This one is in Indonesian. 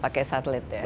pakai satelit ya